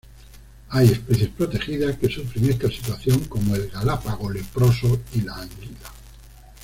Hay especies protegidas que sufren esta situación, como el galápago leproso y la anguila.